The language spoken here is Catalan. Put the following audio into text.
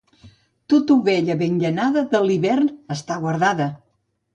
Tota ovella ben llanada de l'hivern està guardada.